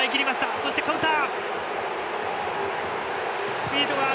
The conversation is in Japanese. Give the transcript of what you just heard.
そして、カウンター！